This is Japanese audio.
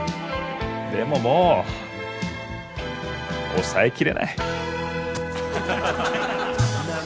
でももう抑えきれない。